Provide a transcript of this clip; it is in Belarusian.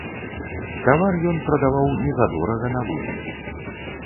Тавар ён прадаваў незадорага на вуліцы.